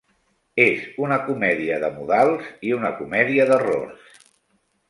És una comèdia de modals i una comèdia d'errors.